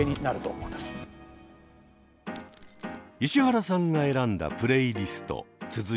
石原さんが選んだプレイリスト続いては。